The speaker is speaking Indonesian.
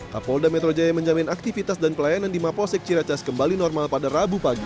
kapolda metro jaya menjamin aktivitas dan pelayanan di maposek ciracas kembali normal pada rabu pagi